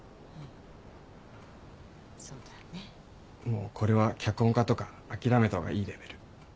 もうこれは脚本家とか諦めた方がいいレベル。